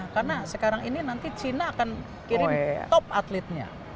karena sekarang ini nanti china akan kirim top atletnya